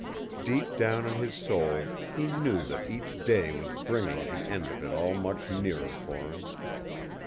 Deep down in his soul he knew that each day was bringing the end of it all much nearer for him.